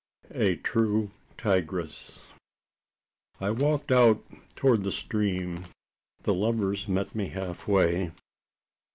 A TRUE TIGRESS. I walked out towards the stream. The lovers met me halfway.